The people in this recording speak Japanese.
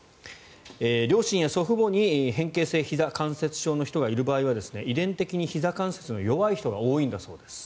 両親や祖父母に変形性ひざ関節症の人がいる場合は遺伝的にひざ関節の弱い人が多いそうです。